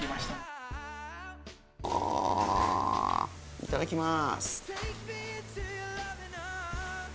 いただきます。